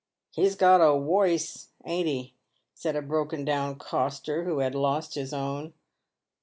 " He's got a woice, ain't he ?" said a broken down coster, who had lost his own.